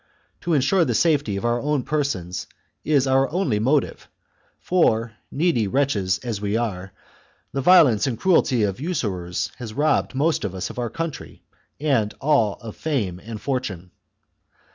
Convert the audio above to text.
To ensure the safety of our own persons is our only motive ; for,, needy wretches as we are, the violence and cruelty of usurers has robbed most of us of our country, and all of fame and fortune.